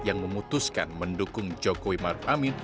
yang memutuskan mendukung jokowi maruf amin